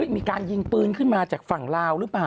มีการยิงปืนขึ้นมาจากฝั่งลาวหรือเปล่า